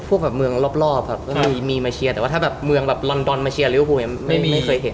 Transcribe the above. พวกแบบเมืองรอบมีมาเชียร์แต่ว่าถ้าแบบเมืองแบบลอนดอนมาเชียร์ไม่เคยเห็น